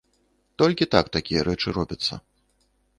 Толькі так такія рэчы робяцца.